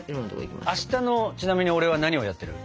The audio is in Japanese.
明日のちなみに俺は何をやってる？